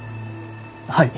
はい！